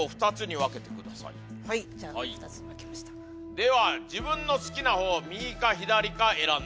では自分の好きなほうを右か左か選んでください。